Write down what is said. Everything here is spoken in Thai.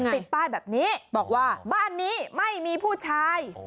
ติดป้ายแบบนี้บอกว่าบ้านนี้ไม่มีผู้ชาย